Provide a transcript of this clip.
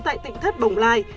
tại tỉnh thất bồng lai